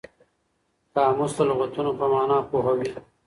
قاموس د لغتونو په مانا پوهوي.